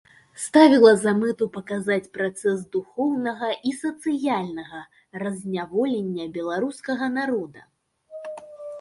Ставіла за мэту паказаць працэс духоўнага і сацыяльнага разняволення беларускага народа.